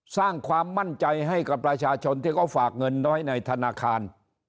สร้างความมั่นใจให้กับประชาชนที่เขาฝากเงินน้อยในธนาคาร